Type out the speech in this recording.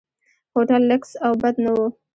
هوټل لکس او بد نه و.